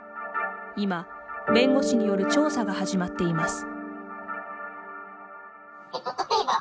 今、弁護士による調査が始まっています。